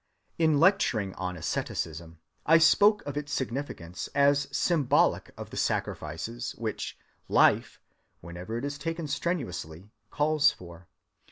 In lecturing on asceticism I spoke of its significance as symbolic of the sacrifices which life, whenever it is taken strenuously, calls for.